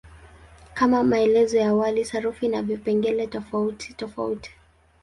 Kama maelezo ya awali, sarufi ina vipengele tofautitofauti.